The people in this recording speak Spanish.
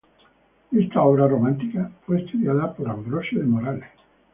Esta obra románica fue estudiada por Ambrosio de Morales.